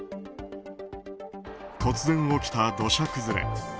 突然、起きた土砂崩れ。